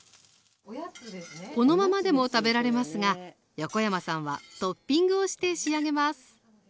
このままでも食べられますが横山さんはトッピングをして仕上げます